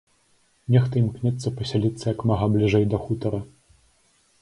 Нехта імкнецца пасяліцца як мага бліжэй да хутара.